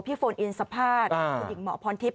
โฟนอินสัมภาษณ์คุณหญิงหมอพรทิพย